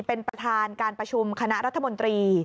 เป็นประธานการประชุมคณะรัฐมนตรี